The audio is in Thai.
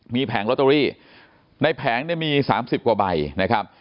มีแผงลอตเตอรี่ในแผงเนี่ยมี๓๐กว่าใบนะครับ